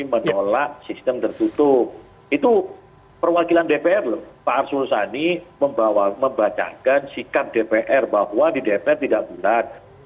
menolak sistem tertutup itu perwakilan dpr loh pak arsul sani membacakan sikap dpr bahwa di dpr tidak bulat